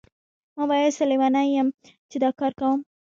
ما ویل څه لیونی یم چې دا کار کوم.